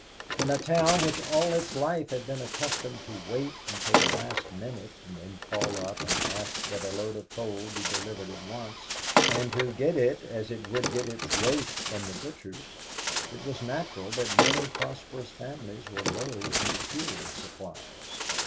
In a town which all its life had been accustomed to wait until the last minute and then call up and ask that a load of coal be delivered at once, and to get it as it would get its roast from the butcher's, it was natural that many prosperous families were low in fuel supplies.